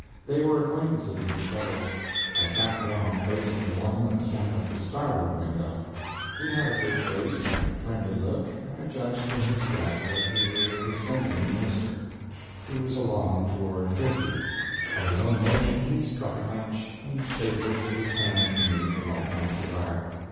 They were acquaintances of each other. I sat down facing the one that sat at the starboard window. He had a good face, and a friendly look, and I judged from his dress that he was a dissenting minister. He was along toward fifty. Of his own motion he struck a match, and shaded it with his hand for me to light my cigar.